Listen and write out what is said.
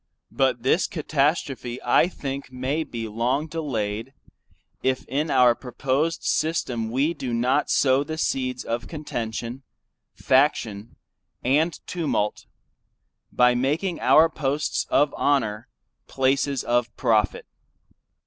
But this Catastrophe I think may be long delayed, if in our proposed System we do not sow the seeds of contention, faction & tumult, by making our posts of honor, places of profit.